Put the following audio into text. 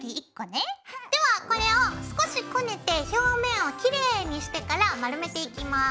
ではこれを少しこねて表面をきれいにしてから丸めていきます。